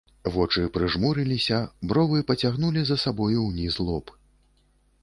Вочы прыжмурыліся, бровы пацягнулі за сабою ўніз лоб.